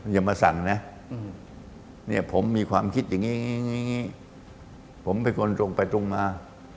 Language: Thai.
อย่ามาสั่งนะเนี่ยผมมีความคิดอย่างงี้ผมไปกลงไปตรงมา